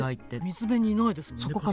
水辺にいないですもんねカタツムリ。